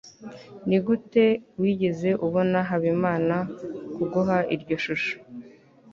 nigute wigeze ubona habimana kuguha iryo shusho